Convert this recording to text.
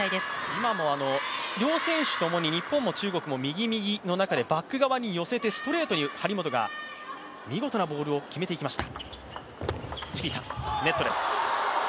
今も両選手ともに、日本も中国選手も右、右の中でバック側に寄せて、ストレートに、張本が見事なボールを決めていきました。